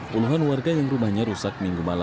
puluhan warga yang rumahnya rusak minggu malam